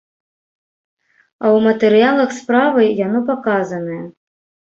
А ў матэрыялах справы яно паказанае.